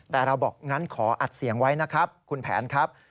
แต่เราบอกงั้นขออัดเสียงไว้นะครับคุณแผนครับ